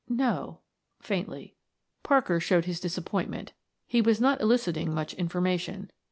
"No." faintly. Parker showed his disappointment; he was not eliciting much information.